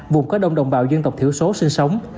vùng có đông đồng bào dân tộc thiểu số sinh sống